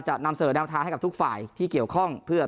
นำเสนอแนวทางให้กับทุกฝ่ายที่เกี่ยวข้องเพื่อ